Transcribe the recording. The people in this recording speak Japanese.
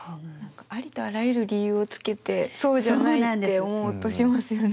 ありとあらゆる理由をつけてそうじゃないって思おうとしますよね。